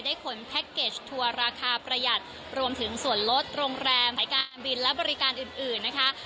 ขนแพ็คเกจทัวร์ราคาประหยัดรวมถึงส่วนลดโรงแรมสายการบินและบริการอื่นอื่นนะคะ